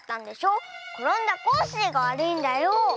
ころんだコッシーがわるいんだよ。